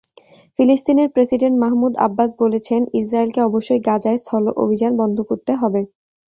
ফিলিস্তিনের president Mahmoud Abbas বলেছেন, ইসরায়েলকে অবশ্যই গাজায় স্থল অভিযান বন্ধ করতে হবে।